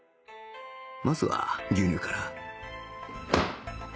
まずは牛乳から